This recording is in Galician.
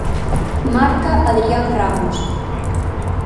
Marca Adrián Ramos.